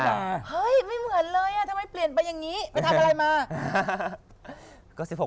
เฮ้ยไม่เหมือนเลยทำไมเปลี่ยนไปอย่างนี้ไปทำอะไรมา